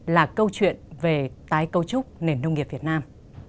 là câu chuyện về tái cấu trúc nền nông nghiệp việt nam